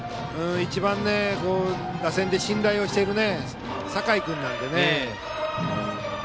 一番打線で信頼をしている酒井君なのでね。